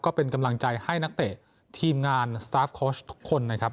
ก็เป็นกำลังใจให้นักเตะทีมงานทุกคนนะครับ